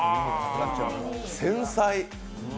繊細。